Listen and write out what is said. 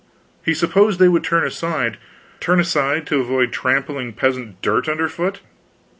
He supposed they would turn aside. Turn aside to avoid trampling peasant dirt under foot?